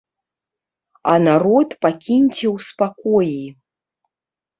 А народ пакіньце у спакоі.